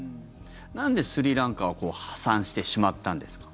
なんでスリランカは破産してしまったんですか？